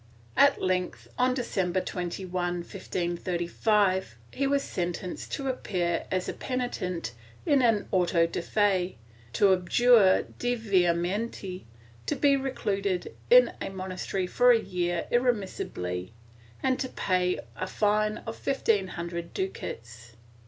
At length, on December 21, 1535, he was sentenced to appear as a penitent in an auto de fe, to abjure de vehementi, to be recluded in a monastery for a year irremissibly, and to pay a fine of fifteen hundred ducats.